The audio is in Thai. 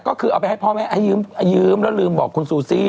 ก็คือเอาไปให้พ่อแม่ให้ยืมแล้วลืมบอกคุณซูซี่